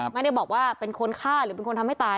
ไม่ได้บอกว่าเป็นคนฆ่าหรือเป็นคนทำให้ตาย